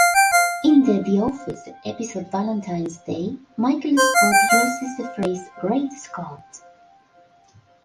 In the "The Office" episode "Valentine's Day", Michael Scott uses the phrase "Great Scott!